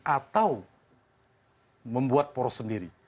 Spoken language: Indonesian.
atau membuat poros sendiri